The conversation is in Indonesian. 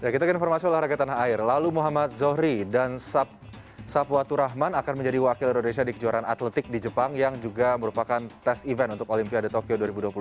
kita ke informasi olahraga tanah air lalu muhammad zohri dan sapuatur rahman akan menjadi wakil indonesia di kejuaraan atletik di jepang yang juga merupakan tes event untuk olimpiade tokyo dua ribu dua puluh